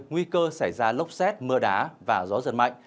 nguy cơ xảy ra lốc xét mưa đá và gió giật mạnh